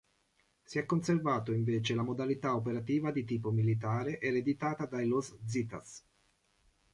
Si è conservato invece la modalità operativa di tipo militare ereditata dai Los Zetas.